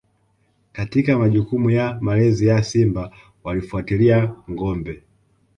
Katika majukumu ya malezi ya Simba walifuatilia ngombe